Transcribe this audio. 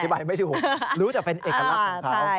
อธิบายไม่ได้รู้รู้แต่เป็นเอกลักษณ์ของเขา